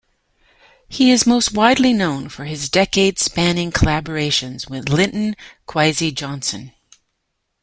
He is most widely known for his decades-spanning collaborations with Linton Kwesi Johnson.